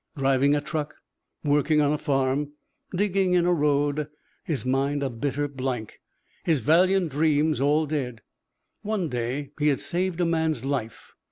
Driving a truck. Working on a farm. Digging in a road. His mind a bitter blank, his valiant dreams all dead. One day he had saved a man's life.